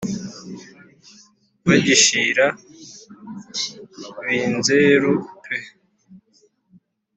bagishira b'inzeru pe